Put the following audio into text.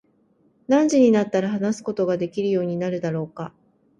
何時になったら話すことができるようになるのだろうか。